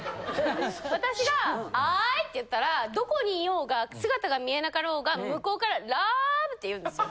私が「Ｉ」って言ったらどこにいようが姿が見えなかろうが向こうから「ＬＯＶＥ」って言うんですよ。